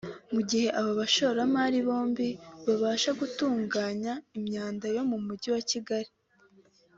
Mu gihe aba bashoramali bombi babasha gutunganya imyanda yo mu mugi wa Kigali